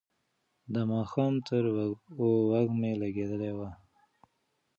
د ماښام تروږمۍ لګېدلې وه.